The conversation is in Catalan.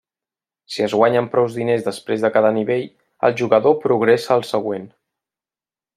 Si es guanyen prou diners després de cada nivell, el jugador progressa al següent.